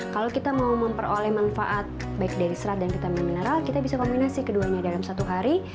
kalau kita mau memperoleh manfaat baik dari serat dan vitamin mineral kita bisa kombinasi keduanya dalam satu hari